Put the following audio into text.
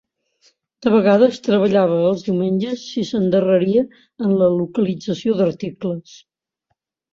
De vegades treballava els diumenges si s'endarreria en la localització d'articles.